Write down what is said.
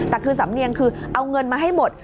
แต่คือสำเนียงคือเอาเงินมาให้หมด